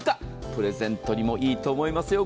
プレゼントにもいいと思いますよ。